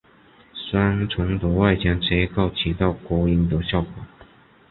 双层的外墙结构起到隔音的效果。